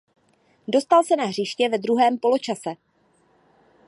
Dostal se na hřiště ve druhém poločase.